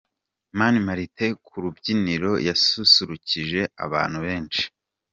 Mani Martin ku rubyiniro yasusurukije abantu benshi.